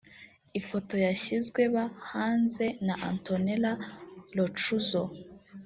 Ifoto yashyizweb hanze na Antonela Roccuzzo